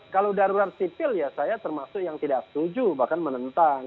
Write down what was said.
kalau darurat sipil ya saya termasuk yang tidak setuju bahkan menentang